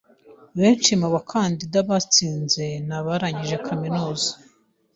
Abenshi mu bakandida batsinze ni abarangije kaminuza.